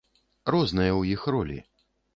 Розныя ў іх ролі.